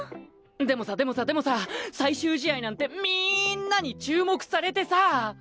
でもさでもさでもさ最終試合なんてみんなに注目されてさ！